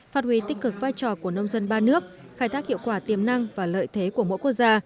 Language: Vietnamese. phát huy tích cực vai trò của nông dân ba nước khai thác hiệu quả tiềm năng và lợi thế của mỗi quốc gia